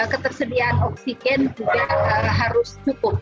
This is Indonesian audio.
ketersediaan oksigen juga harus cukup